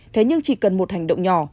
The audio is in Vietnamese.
thế nhưng chỉ cần một hành động nhỏ